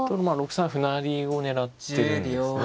６三歩成を狙ってるんですね。